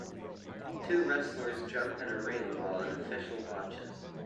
Two wrestlers jump in a ring while an official watches.